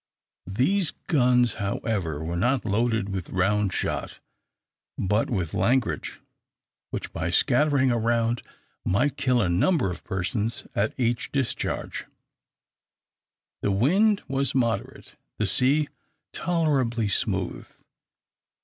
These guns, however, were not loaded with round shot, but with langrage, which, by scattering around, might kill a number of persons at each discharge. The wind was moderate, the sea tolerably smooth.